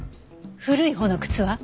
古いほうの靴は？